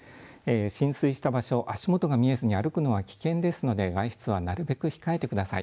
浸水した場所、足元が見えずに歩くのは危険ですので外出はなるべく控えてください。